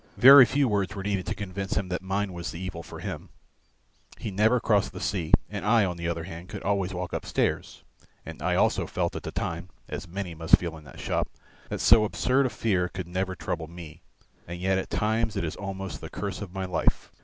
Very few words were needed to convince him that mine was the evil for him, he never crossed the sea, and I on the other hand could always walk upstairs, and I also felt at the time, as many must feel in that shop, that so absurd a fear could never trouble me. And yet at times it is almost the curse of my life.